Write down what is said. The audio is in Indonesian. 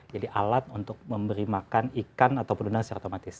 jadi alat untuk memberi makan ikan atau pedunang secara otomatis